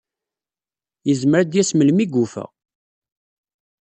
Yezmer ad d-yas melmi i yufa.